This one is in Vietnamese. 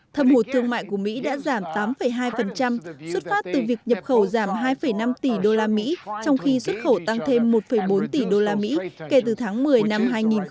thâm hụt thương mại của mỹ đã giảm tám hai xuất phát từ việc nhập khẩu giảm hai năm tỷ usd trong khi xuất khẩu tăng thêm một bốn tỷ usd kể từ tháng một mươi năm hai nghìn một mươi ba